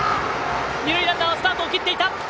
二塁ランナースタートを切っていた。